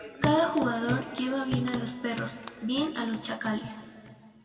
Cada jugador lleva bien a los perros, bien a los chacales.